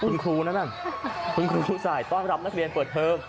คุณครูนั่นคุณครูชูสายต้อนรับนักเรียนเปิดเทอม